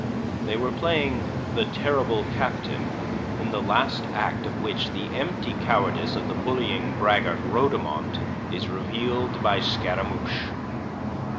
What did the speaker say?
They were playing "The Terrible Captain," in the last act of which the empty cowardice of the bullying braggart Rhodomont is revealed by Scaramouche.